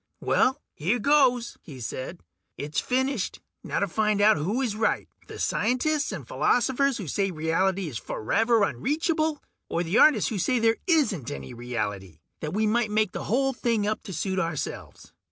"Well, here goes," he said. "It's finished. Now to find out who is right, the scientists and philosophers who say reality is forever unreachable, or the artists who say there isn't any reality that we make the whole thing up to suit ourselves."